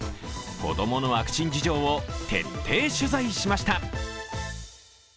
子供のワクチン事情を徹底取材しました。